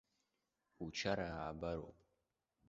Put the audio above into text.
Учара аабароуп.